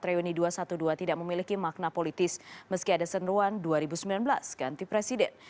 reuni dua ratus dua belas tidak memiliki makna politis meski ada seruan dua ribu sembilan belas ganti presiden